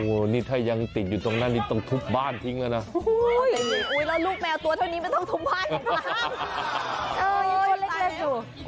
อุ้ยแล้วลูกแมวตัวเท่านี้มันต้องทมภายกันครับ